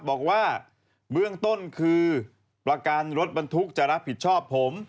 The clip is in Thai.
บอกว่าเบื้องต้นคือประกันรถบรรทุกจะรับผิดชอบผม